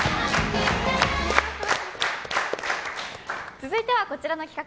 続いては、こちらの企画。